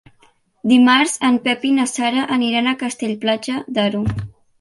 Dimarts en Pep i na Sara aniran a Castell-Platja d'Aro.